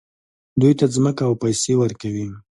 دوی ته ځمکه او پیسې ورکوي.